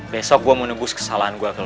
besok gue menebus kesalahan gue ke lo